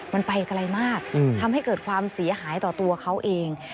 มันไปไกลมากทำให้เกิดความเสียหายต่อตัวเขาเอง